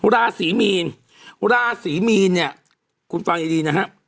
ราศีมีนราศีมีนเนี่ยคุณฟังดีนะฮะ